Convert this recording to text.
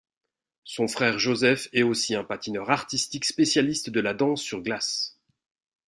Son frère Joseph est aussi un patineur artistique spécialiste de la danse sur glace.